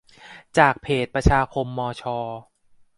จากเพจประชาคมมอชอ